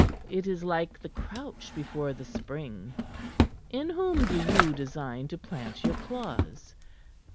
"It is like the crouch before the spring. In whom do you design to plant your claws?